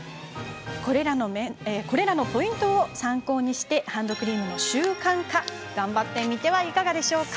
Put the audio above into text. これらのポイントを参考にしてハンドクリームの習慣化頑張ってみてはいかがでしょうか。